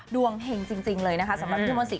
ดวงเห็นจริงเลยนะคะสำหรับพี่มนต์ศรี